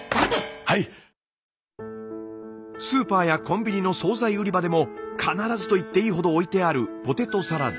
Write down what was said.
スーパーやコンビニの総菜売り場でも必ずと言っていいほど置いてあるポテトサラダ。